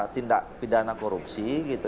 tindak pidana korupsi